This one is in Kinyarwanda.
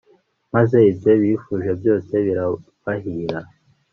maze ibyo bifuje byose birabahira